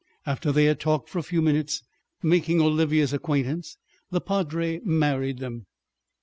After they had talked for a few minutes, making Olivia's acquaintance, the padre married them.